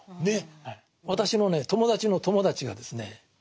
私のね友達の友達がですね